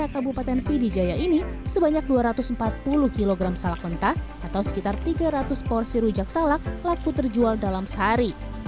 kabupaten pidijaya ini sebanyak dua ratus empat puluh kg salak mentah atau sekitar tiga ratus porsi rujak salak laku terjual dalam sehari